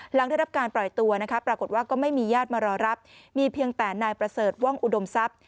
หลังได้รับการปล่อยตัวนะคะปรากฏว่าก็ไม่มีญาติมารอรับมีเพียงแต่นายประเสริฐว่องอุดมทรัพย์